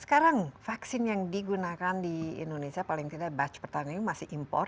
sekarang vaksin yang digunakan di indonesia paling tidak batch pertama ini masih impor